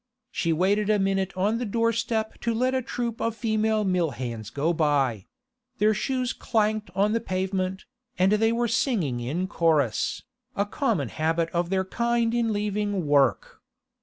She waited a minute on the doorstep to let a troop of female mill hands go by; their shoes clanked on the pavement, and they were singing in chorus, a common habit of their kind in leaving work.